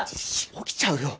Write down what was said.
起きちゃうよ。